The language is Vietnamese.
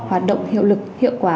hoạt động hiệu lực hiệu quả